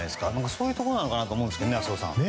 そういうところなのかなと思うんですけどね、浅尾さん。